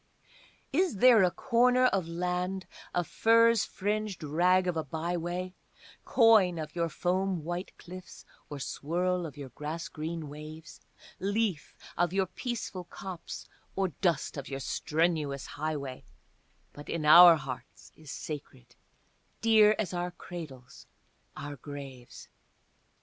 Is there a corner of land, a furze fringed rag of a by way, Coign of your foam white cliffs or swirl of your grass green waves, Leaf of your peaceful copse, or dust of your strenuous highway, But in our hearts is sacred, dear as our cradles, our graves?